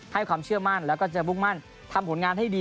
ความเชื่อมั่นแล้วก็จะมุ่งมั่นทำผลงานให้ดี